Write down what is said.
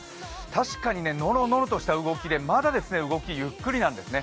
確かにのろのろとした動きでまだまだ動きゆっくりなんですね。